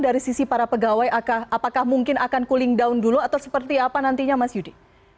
dari sisi para pegawai apakah mungkin akan cooling down dulu atau seperti apa nantinya mas yudi